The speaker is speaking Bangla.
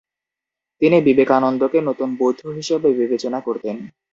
তিনি বিবেকানন্দকে ‘নতুন বুদ্ধ’ হিসেবে বিবেচনা করতেন।